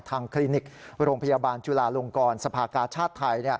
คลินิกโรงพยาบาลจุลาลงกรสภากาชาติไทย